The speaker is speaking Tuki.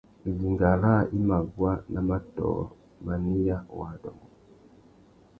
Idinga râā i mà guá nà matōh, manéya wa adôngô.